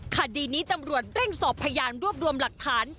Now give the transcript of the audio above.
คดีนี้ตำรวจเร่งสอบพยานรวบรวมหลักฐาน